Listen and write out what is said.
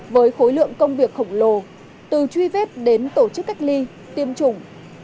với khối lượng công việc khổng lồ từ truy vết đến tổ chức cách ly tiêm chủng